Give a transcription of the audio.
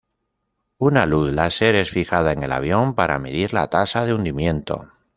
Una luz láser es fijada en el avión para medir la tasa de hundimiento.